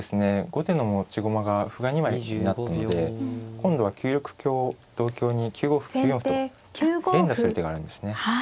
後手の持ち駒が歩が２枚になったので今度は９六香同香に９五歩９四歩と連打する手があるんですね。